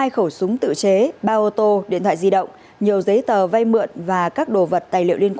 hai khẩu súng tự chế ba ô tô điện thoại di động nhiều giấy tờ vay mượn và các đồ vật